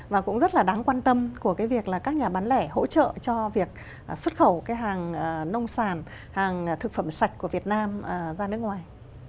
và cũng rất là đáng quan tâm của cái việc là các nhà bán lẻ hỗ trợ cho việc xuất khẩu cái hàng nông sản hàng thực phẩm sạch của việt nam ra nước ngoài